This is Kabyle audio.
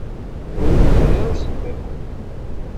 Ur iyi-yenɣi ara usemmiḍ.